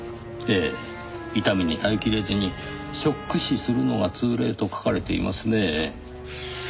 ええ痛みに耐えきれずにショック死するのが通例と書かれていますね。